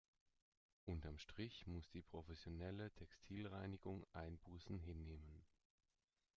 Unterm Strich muss die professionelle Textilreinigung Einbußen hinnehmen.